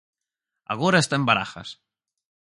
Agora está en Barajas.